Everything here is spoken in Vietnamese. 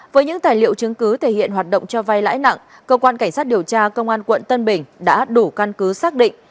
với những tài liệu chứng cứ thể hiện hoạt động cho vai lãi nặng cơ quan cảnh sát điều tra công an quận tân bình đã đủ căn cứ xác định